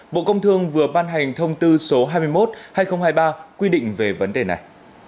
bộ công thương vừa ban hành thông tư số hai mươi một hai nghìn hai mươi ba quy định về vấn đề này